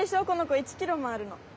この子１ｋｇもあるの。